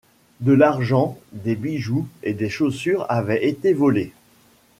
De l’argent, des bijoux et des chaussures avaient été volés.